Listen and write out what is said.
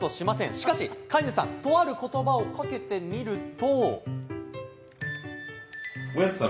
しかし飼い主さん、ある言葉をかけてみると。